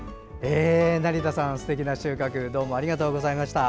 成田さん、すてきな収穫どうもありがとうございました。